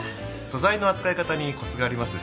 素材の扱い方にコツがあります。